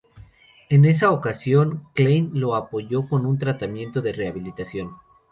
En esa ocasión, Klein lo apoyó con un tratamiento de rehabilitación.